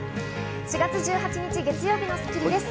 ４月１８日、月曜日の『スッキリ』です。